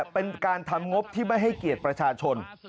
เป็นการทำงบที่ไม่ให้เกียรติประชาชน